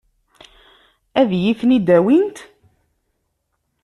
Ad iyi-ten-id-awint?